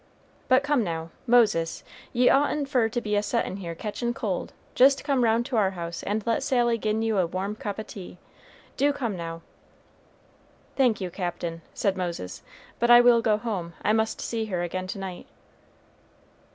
But come, now, Moses, ye oughtn't fur to be a settin' here catchin' cold jest come round to our house and let Sally gin you a warm cup o' tea do come, now." "Thank you, Captain," said Moses, "but I will go home; I must see her again to night."